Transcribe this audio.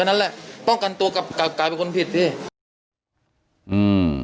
ป้องกันตัวกลายเป็นคนผิดพี่